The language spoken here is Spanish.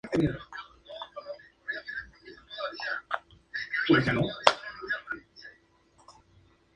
El cactus poco tolerante a las heladas.